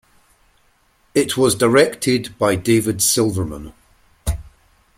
It was directed by David Silverman.